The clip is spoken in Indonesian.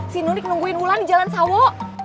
si nurik nungguin wulan di jalan sawo